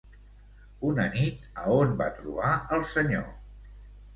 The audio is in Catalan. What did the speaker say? Una nit, a on van trobar el senyor?